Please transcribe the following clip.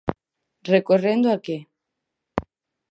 Recorrendo a que?